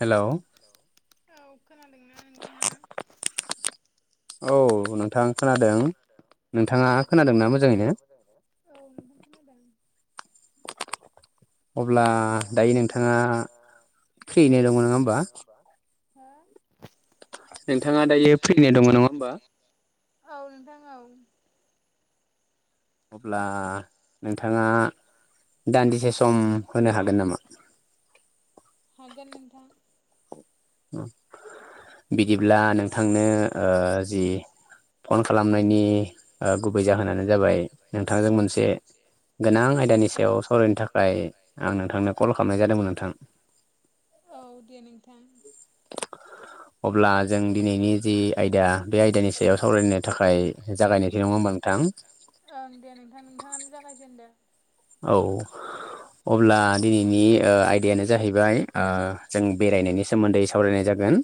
हेल' औ खोनादों औ नोंथां खोनादों नोंथाङा खोनादोंना मोजाङैनो अब्ला दायो नोंथाङा फ्रियैनो दङ नङा होमबा नोंथाङा दायो फ्रिनाय दङ नङा होमबा अब्ला नोंथाङा दान्दिसे सम होनो हागोन नामा हागोन नोंथां बिदिब्ला नोंथांनो जि फन खालामनायनि गुबै जाहोनानो जाबाय नोंथांजों मोनसे गोनां आयदानि सायाव सावरायनो थाखाय आं नोंथांनो कल खालामनाय जादोंमोन नोंथां औ दे नोंथां अब्ला जों दिनैनि जि आयदा बे आयदानि सायाव सावरायनो थाखाय जागायनायसै नङ होनब नोंथां दे नोंथां नोंथाङानो जाबाय दे औ। अब्ला दिनैनि ओ आयदायानो जाहैबाय जों बेरायनायनि सोमोन्दै सावरायनाय जागोन।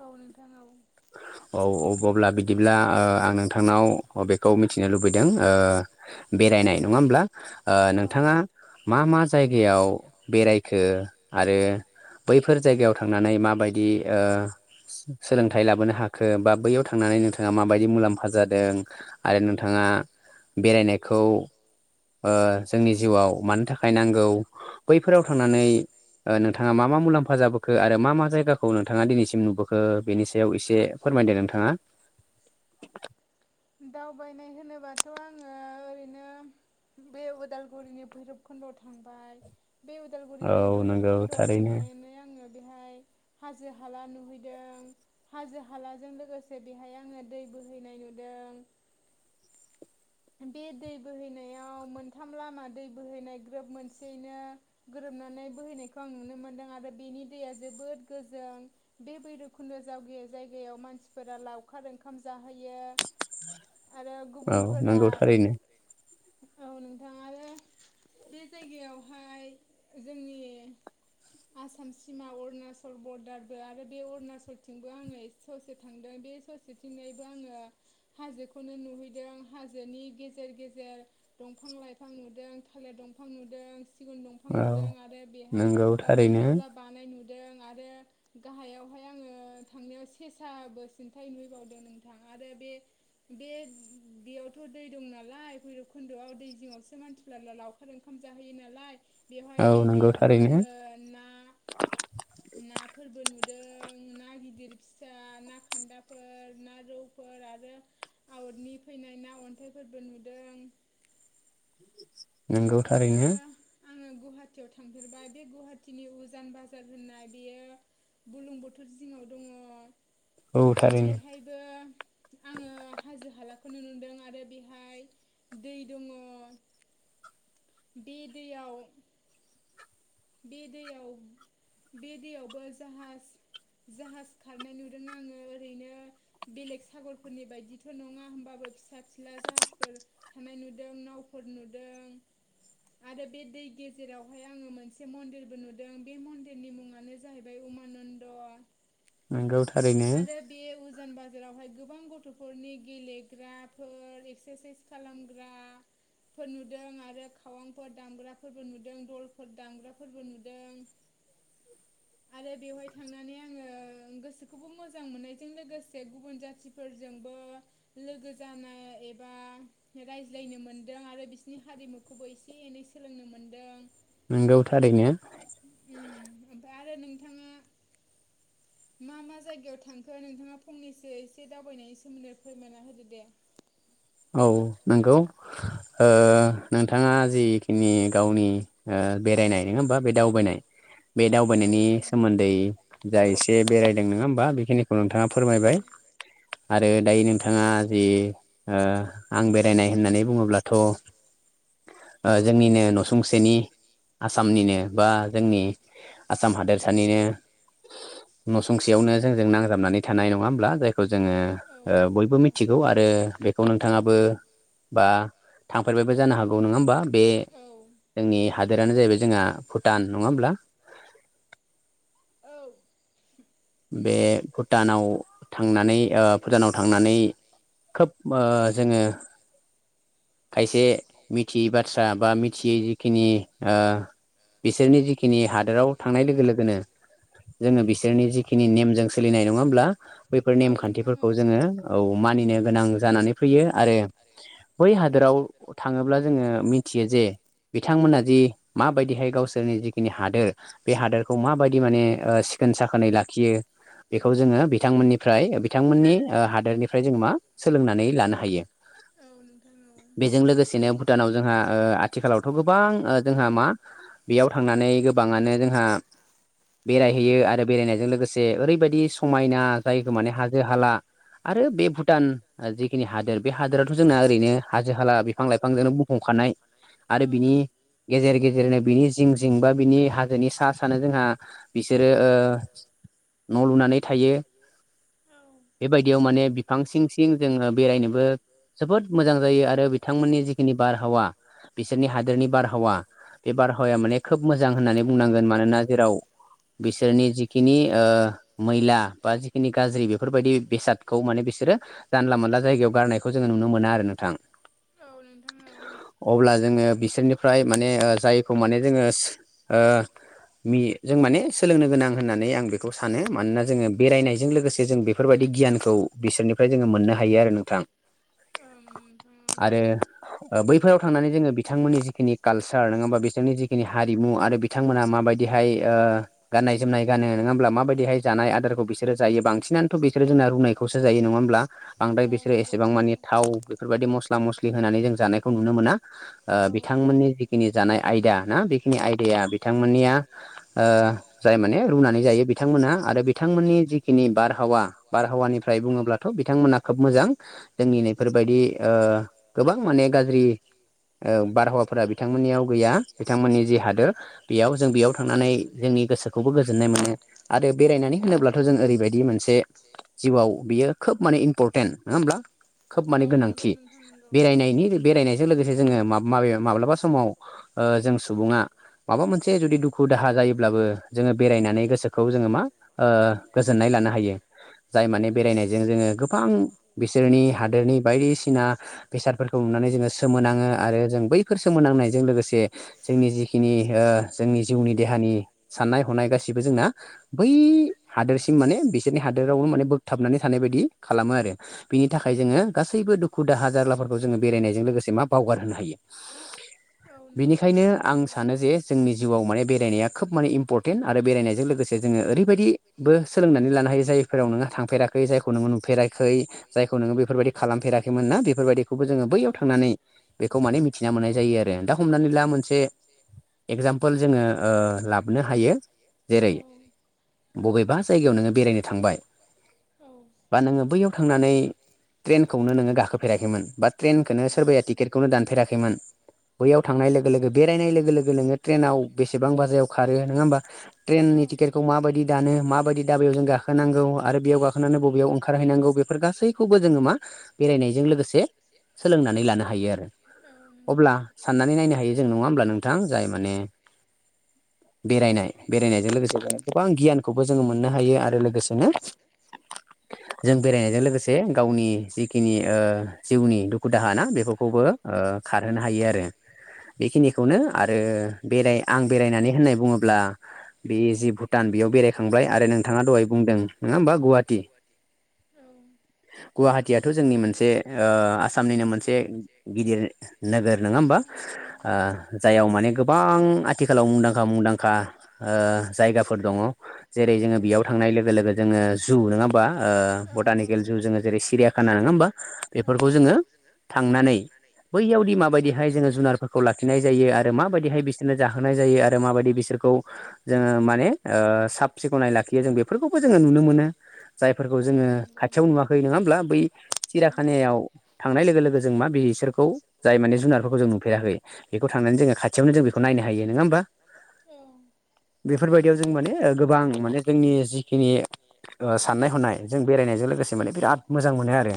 औ नोंथां औ। औ अ-अब्ला बिदिब्ला आं नोंथांनाव बेखौ मिथिनो लुबैदों ओ बे बेरायनाय नङा होमब्ला नोंथाङा मा मा जायगायाव बेरायखो आरो बैफोर जायगायाव थांनानै माबायदि ओ सोलों थाय लाबोनो हाखो बा बैयाव थांनानै नोंथाङा माबायदि मुलाम्फा जादों आरो नोंथाङा बेरायनायखौ ओ जोंनि जिउआव मानो थाखाय नांगौ बैफोराव थांनानै ओ नोंथाङा मा मा मलामफा जाबोखो आरो मा मा जायगाखौ नोंथाङा दिनैसिम नुबो बेयाव एसे फोरमायदो नोंथाङा। दावबायनाय होनोबाथ' आङो ओरैनो बे उदालगुरिनि भैरबकुन्दआव थांबाय। बे उदालगुरिनि भैरबकुन्द'आव थांनानै आङो बेहाय हाजो हाला नुहैदों हाजो हालाजों लोगोसे बेहाय आङो दै बोहैनाय नुदों। बे दै बोहैनायाव मोनथाम लामा दै बोहैनाय ग्रोब मोनसेैनो ग्रो नानै बोहैनायखौ आं नुनो मोनदों आरो बेनि दैया जोबोद गोजों बे भैरबखुन्द' जा [unintelligible] जायगायाव मानसिफोरा लावखार ओंखाम जाहोयो आरो गुबुन नांगौ थारैनो। औ नोंथां आरो बे जायगायावहाय जोंनि आसाम सिमा अरुणाचल बरदारबो आरो बे अरुणाचलथिंबो आङो ए ससे थांदों। बे ससेथिंजायबो आङो हाजोखौनो नुहैदों। हाजोनि गेजेर-गेजेर दंफां-लाइफां नुदों थालिर दंफां नुदों। सिगुन दंफां नुदों आरो बेहाय दावसिन-दाउला बानाय नु दों आरो गाहायावहाय आङो थांनायाव सेसाबो सिन्थाय नुैहैबावदों नोंथां आ आरो बे-बे बेयावथ' दै दं नालाय भैरबखुन्दोआव दै जिङावसो मानसिफोरा ला-लावखार ओंखाम जाहैयो नालाय। बेवहाय बे दैयावबो आङो ना-नाफोरबो नुदों ना ना गिदिर-फिसा ना खान्दाफोर ना रौफोर आरो आवदनि फैनाय ना अन्थाइफोरबो नुदों। नंगौ थारैनो। आङो गुवाहाटियाव थांफेरबाय बे गुवाहाटिनि उजान बाजार होननाय बेयो बुलुंबुथुर जिङाव दङ बेहायबो आङो हाजो-हालाखौनो नुदों आरो बेहाय दै दङ। [inaudible] बे दैयाव बे दैयाव बे दैयावबो जाहाज। जाहाज खारनाय नुदों आङो ओरैनो बेलेग सागरफोरनि बायदिथ' नङा होमबाबो बो फिसा-फिला जाहाजफोर थानाय नुदों नावफोर नुदों। आरो बे दै गेजेरावहाय आङो मोनस से मन्दिरबो नुदों बे मन्दिरनि मुङानो जाहैबाय उमानन्द। नोंगौ था आरो बे उज जान बाजारावहाय गोबां गथ'फोरनि गेलेग्राफोर एक्सारसाइस खालामग्रा। फोर नुदों आरो खावांफोर दामग्राफोरबो नुदों दलफोर दामग्राफोरबो नुदों। आरो बेवहाय थांनानै आङो गोसो खौबो मोजां मोननायजों लोगोसे गुबुन जाथिफोरजोंबो लोगो जानाय एबा बा रायज्लायनो मोनदों आरो बिसिनि हारिमुखौबो एसे-एनै सोलोंनो मोनदों। नोंगौ थारैनो। ओम-ओमफ्राय आरो नोंथाङा मा मा जायगायाव थांखो नोंथाङा फंनैसो एसे दावबायनायनि सोमोन्दै फोरमायना होदो दे। [inaudible] औ नंगौ ओ नोंथाङा जिखिनि गावनि ओ बेरायनाय नङा होमबा बे दावबायनाय बे दावबायनायनि सोमोन्दै जा एसे बेरायदों नङा होमबा बेखिनिखौ नोंथाङा फोरमायबाय [inaudible] आरो दायो नोंथांङा जि आ आं बेरायनाय होननानै बुंङोब्लाथ' जोंनिनो नसुंसेनि आसामनिनो बा जोंनि आसाम हादोरसानिनो न'सुंसेयावनो जोंजों नांजाबनानै थानाय नंङा होमब्ला जायखौ ज जोंङो ओ बयबो मिथिगौ आरो नोंथांङाबो बा थांफेरबायबो जानो हागौ नंङा होमबा बे जोंनि हादोरानो जाहैबाय जोंहा भुटान नंङा होमब्ला [inaudible] बे भुटानाव थांनानै ओ भुटानाव थांनानै खोब ओ जोंङो खायसे मिथियै बाथ्रा बा मिथियै जिखिनि ओ बिसोरनि जिखिनि हादोराव थांनाय लोगो लोगोनो जोंङो बिसोरनि जिखिनि नेमजों सोलिनाय नंङा होमब्ला? बैफोर नेमखान्थिफोरखौ जोंङो औ मानिनो गोनां जानानै फैयो आरो बै हा हादोराव थांङोब्ला जोंङो मिथियो जे बिथांमोना जि माबायदिहाय गावसोरनि जिखिनि हादोर बे हादोरखौ माबायदि माने ओ सिखोन साखोनै लाखियो। बेखौ जोंङो बिथांमोननिफ्राय बिथांमोननि हादोरनिफ्राय जोंङो मा सोलोंनानै लानो हायो [inaudible] बेजों लोगोसेनो भुटानाव जोंहा ओ आथिखालावथ' गोबां ओ जोंहा मा बेयाव थांनानै नै गोबांङानो जोंहा बेरायहैयो आरो बेरायनायजों लोगोसे ओरैबायदि समायना जायखो माने हाजो हाला आरो बे भुटान जिखिनि हादोर बे हादोरावथ' जोंना ओरैनो हाजो हाला बिफां लाइफां बिफांजोंनो बुफुंखानाय आरो बिनि गेजेर गेजेरनो बिनि जिं जिं बा बिनि हाजोनि सा सानो जोंहा बिसोरो ओ न' लुनानै थायो। बेबायदियाव माने बिफां सिं सिं जोंङो बेरायनोबो जोबोद मोजां जायो जायो आरो बिथांमोननि जिखिनि बारहावा बिसोरनि हादोरनि बारहावा बे बारहावाया माने खोब मोजां होननानै बुंनांगोन मानोना जेराव बिसोरनि जिखिनि ओ मैला बा जिखिनि गाज्रि बेफोरबायदि बेसादखौ माने बिसोरो जानला मोनला जायगायाव गारनायखौ जोंङो नुनो मोनोा आरो नोंथां। औ नोंथां औ। अब्ला जोंङो बिसोरनिफ्राय माने जायखौ माने जोंङो ओ जों माने सोलोंनो गोनां होननानै आं बेखौ सानो मानोना जोंङो बेरायनायजों लोगोसे जों बेफोरबायाददि खौ बिसोरनिफ्राय जोंङो मोननो हायो आरो नोंथां। बे बैफोराव थांनानै जोंङो बिथांमोननि जिखिनि कालसार नंङा होमबा बिथांनि जिखिनि हारिमु आरो बिथांमोना माबायदि दिहाय गाननाय जोमनाय गानो नंङाहोब्ला माबायदिहाय जानाय आदारखौ बिसोरो जायो बांसिनानो थ' बिसोरो जोंना रुनायखौसो जायो नंङा होमब्ला बांद्राय बिसोरो एसेबां मानि थाव बेफोरबायदि मस्थ मस्लि होनानै जों जानायखौ नुनो मोना ओ बिथांमोननि जिखिनि जानाय आयदा ना बेखिनि आयदाया बिथांमोननिया ओ जाय माने रुनानै जायो बिथांमोनहा आरो बिथांमोननि जिखिनि बारहावा बारहावानिफ्राय बुंङोब्लाथ' बिथांमोना खोब मोजां जोंनि नैफोरबायदि ओ बां माने गाज्रि ओ बारहावाफोरा बिथांमोननियाव गैया बिथांमोननि जि हादोर बेयाव जों बेयाव थांनानै जों नि गोसोखौबो गोजोन्नाय मोनो आरो बेरायनानै होनोब्लाथ' जों ओरैबायदि मोनसे जिउआव बियो खोब माने इम्परटेन्ट नोङा होमब्ला खोब माने गोनांथि बेरायनायनि बेरायनायजों लोगोसे जोंङो माब माबेबा माब्लाबा समाव ओ जों सुबुंङा माबा मोनसे जुदि दुखु दाहा जायोब्लाबो जोंङो बेरायनानै गोसोखौ जोंङो मा ओ गोजोननाय लानो हायो जाय माने बेरायनायजों जोंङो गोबां बिसोरनि हादोरनि बायदिसिना बेसादफोरखौ नुनानै जोंङो सोमोनाङो आरो जों बैफोर सोमोनांनायजों लोगोसे जोंनि जिखिनि ओ ओ जोंनि जिउनि देहानि साननाय हनाय गासिबो जोंना बै हादोरसिम माने बिसो नि हादोरावबो माने बोगथाबनानै थानाय बायदि खालामो आरो बिनि थाखाय जोङो गासैबो दुखु दाहा जारलाफोरखौ जोङो बेरायनायजों लोगोसे मा बावगारहोनो हायो बेनिखायनो आं सानो जे जोंनि जिउआव माने बेरायनाया खोब माने इमपरटेन्ट आरो बेरायनायजों लोगोसे जोङो ओरैबायदिबो सोलोंनानै लानो हायो जायफोराव नोङो थांफेराखै जायखौ नोङो नुफेरा [unintelligible] जायखौ नोङो बेफोरबायदि खालामफेराखैमोन ना बेफोरबायदिखौबो जोङो बैयाव थांनानै बेखौ माने थिना मोननाय जायो आरो दा हमनानै ला मोनसे एगजामपोल जोङो ओ लाबोनो हायो जेरै बबेबा जायगायाव नोङो बेरायनो थांबाय बा नोङो बैयाव थांनानै ट्रेनखौनो नोङो गाखोफेराखैमोन बा ट्रेनखौनो सोरबाया टिकेटखौनो दानफेराखैमोन बैयाव थांनाय लोगो लोगो बेरायनाय लोगो लोगो नोङो ट्रेनाव बेसेबां बाजायाव खारो नोङा होमबा ट्रेन नि टिकेटखौ माबायदि दानो माबायदि दाबायाव जों गाखो नांगौ आरो बेयाव गाखोनानै बबेयाव ओंखार हैनांगौ बेफोर गासैखौबो जोङो‌ मा बेरायनायजों लोगोसे सोलोंनानै लानो हायो आरो अब्ला साननानै नायनो हायो जों नङा होमब्ला नोंथां जाय माने [inaudible] बेरायनाय-बेरायनायजों लोगोसे जो गोबां गियानखौबो जोङो मोननो हायो आरो लोगोसेनो जों बेरायनायजों लोगोसे गावनि जिखिनि ओ जिउनि दुखु दाहा ना बेफोरखौबो ओ खारहोनो हायो आरो बेखिनिखौनो आरो बेराय आं बेरायनानै होननाय बुङोब्ला बे जि भुटान बेयाव बेरायखांबाय आरो नोंथाङा दहाय बुंदों नङा होमबा गुवाटि औ गुवाहाटियाथ' जोंनि मोनसे ओ आसामनिनो मोनसे गिदिर नोगोर नङा होम बा ओ जायाव माने गोबां आथिखालाव मुंदांखा - मुंदांखा ओ जायगाफोर दङ' जेरै जोङो बेयाव थांनाय लोगो लोगो जोङो जु नोङा होमबा ओ बटानिक [unintelligible] जु जोङो जेरै सिरियाखाना नोङा होमबा बेफोरखौ जोङो थांनानै बैयावदि माबायदि बेहाय जोङो जुनारफोरखौ लाखिनाय जायो आरो माबायदिहाय बिसोरनो जाहोनाय जायो आरो माबायदि बिसोरखौ जोङो माने ओ साब सिखनाय लाखियो जों बेफोरखौबो जोङो नुनो मोनो जायफोरखौ जोङो खाथियाव नुवाखै नोङा होमब्ला बै चिराखानायाव थांनाय लोगो लोगो जों मा बेसोरखौ जाय माने जुनारफोरखौ जों नुफेराखै बेखौ थांनानै जोङो खाथियावनो जों बेखौ नायनो हायो नोङा होमबा औ बेफोरबायदियाव जों माने ओ गोबां माने जोंनि जिखिनि ओ साननाय हनाय जों बेरायनाय ओ लोगोसे माने बिराद मोजां मोनो आरो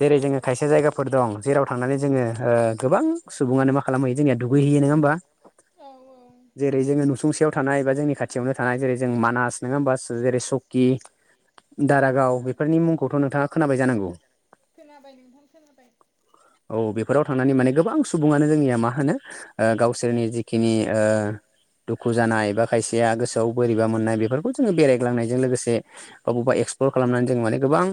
जेरै जोङो खायसे जायगाफोर दं जेराव थांनानै जोङो ओ गोबा बां सुबुङानो मा खालामहैयो जोंनिया दुगैहैयो नोङा होमबा जेरै जो फुंसेयाव थानाय एबा जोंनि खाथियावनो थानाय जेरै जों मानास नोङा होमबास जेरै सकि दारागाव बेफोरनि मुंखौथ' नोंथाङा खोनाबाय जानांगौ औ बेफोराव थांनानै माने गोबां सुबुङानो जोंनिया मा होनो ओ गावसोरनि जिखिनि ओ दुखु जानाय बा खायसेया गोसोआव बोरैबा मोननाय बेफोरखौ जोङो बेरायग्लांनायजों लोगोसे बावबेब बा एक्सप्लर खालामनानै जों माने गोबां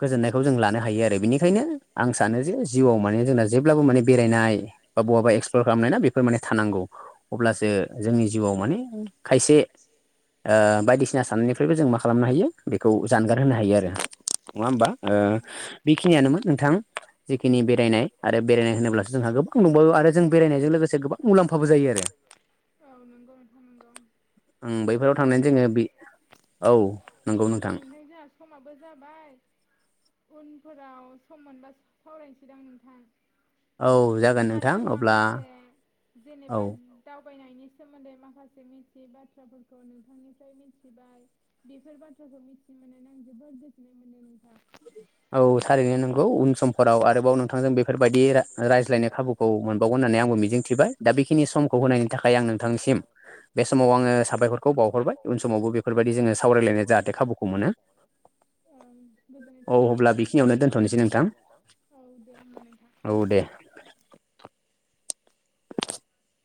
गोजोननायखौ जों लानो हायो आरो बेनिखायनो आं सानो जे जिउआव माने जोंना जेब्लाबो माने बेरायनाय बा बहाबा एक्सप्लर खालामनाय ना बेफोर माने थानांगौ अब्लासो जोंनि जिउआव माने खायसे बायदिसिना साननायफ्राय बो जों मा खालामनो हायो बेखौ जानगार होनो हायो आरो नङा होमबा बेखिनियानोमोन जिखिनि बेरायनाय आरो बेरायनाय होनोब्लासो जोंहा गोबां दंबावो आरो जों बेरायनायजों लोगोसे गोबां मुलाम्फाबो जायो। [inaudible] [inaudible] ओं बैफोराव थांनाय जोङो बे औ नंगौ नोंथां समाबो जाबाय उनफोराव सम मोनबा सावरायनोसैदां नोंथां आरो आं माखासे जेनेबा दावबायनायनि सोमोन्दै माखासे मिथियै बाथ्राफोरखौ नोंथांनिफ्राय मिथिबाय बेफोर बाथ्राखौ मि मोननानै आं जोबोद गोजोननाय मोनदों नोंथां औ थारैनो नोंगौ समफोराव आरोबाव नोंथांजों बेफोरबायदि रायज्लायनो खाबुखौ मोनबावगोन होननानै आंबो मिजिंथिबाय दा बेखिनि समखौ होनायनि थाखाय आं नोंथांनिसिम बे समाव आङो साबायखरखौ बावहरबाय उन समावबो बेफोरबायदि जोङो साव फरायलायनाय जाहाथे खाबुखौ मोनो औ अब्ला बेखिनियावनो दोन्थ'नोसै नोंथां औ दे होमबा नोंथां [inaudible]